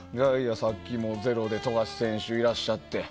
さっきも「ｚｅｒｏ」で富樫選手、いらっしゃって。